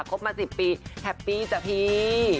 บมา๑๐ปีแฮปปี้จ้ะพี่